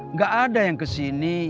nggak ada yang ke sini